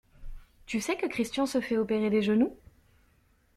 Tu sais que Christian se fait opérer des genoux?